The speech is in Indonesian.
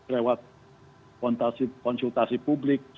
lewat konsultasi publik